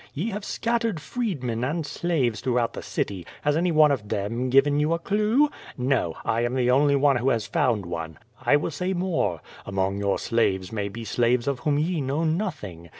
. Ye have scattered f reedmen and slaves throughout the city. Has any one of them given you a clue? No; I am the only one who has found one. I will say more. Among your slaves may be slaves of whom ye know nothing.